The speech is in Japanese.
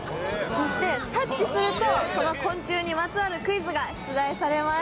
そして、タッチするとその昆虫にまつわるクイズが出題されます。